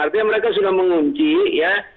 artinya mereka sudah mengunci ya